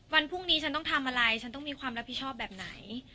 วันพรุ่งนี้ฉันต้องทำอะไรฉันต้องมีความรับผิดชอบแบบไหน